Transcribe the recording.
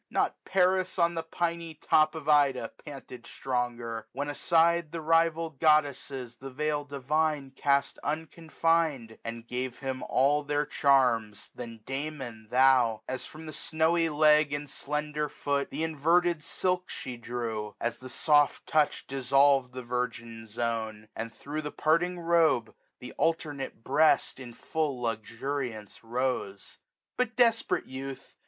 not Paris on the piny top Of Ida panted stronger, when aside The rival goddesses the veil divine ^3^5 Cast unconfined, and gave him all their charms. Than, Damon, thou j as from the snowy leg. And slender foot, th' inverted silk she drew ; As the soft touch dissolved the virgin zone j And, thro* the parting robe, th' alternate breast, 1310 With youth wild throbbing, on thy lawless gaze S UMME IL 99 In fiill luxuriance rose. But, desperate youth.